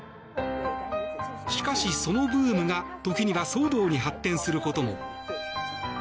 しかし、そのブームが時には騒動に発展することも。